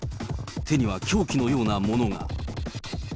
手には凶器のようなものが。